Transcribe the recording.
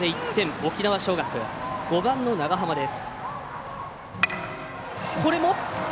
沖縄尚学、５番の長濱です。